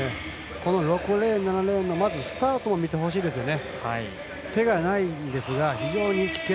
６レーン７レーンのスタートを見てほしいですね。